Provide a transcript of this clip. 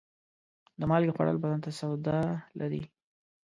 د مالګې خوړل بدن ته سوده لري.